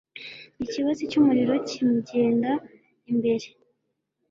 Ikibatsi cy’umuriro kimugenda imbere